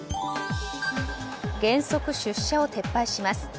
原則出社を撤廃します。